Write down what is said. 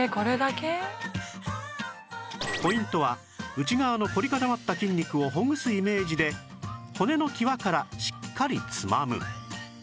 ポイントは内側の凝り固まった筋肉をほぐすイメージで骨の際からしっかりつまむ